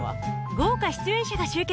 豪華出演者が集結